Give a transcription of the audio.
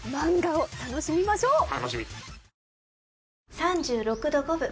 ３６度５分。